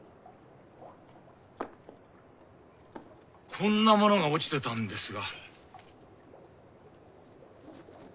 こんなものが落ちてたんですが。